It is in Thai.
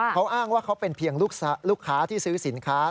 เขาอ้างว่าเขาเป็นเพียงลูกค้าที่ซื้อสินค้า